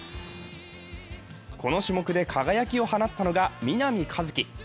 この種目で輝くを放ったのが南一輝。